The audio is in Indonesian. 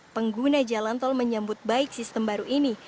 pengguna jalan tol menyambut baik sistem baru ini